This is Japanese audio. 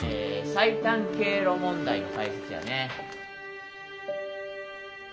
最短経路問題の解説やね。